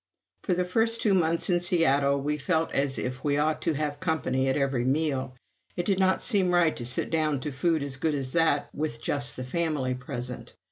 For the first two months in Seattle we felt as if we ought to have company at every meal. It did not seem right to sit down to food as good as that, with just the family present.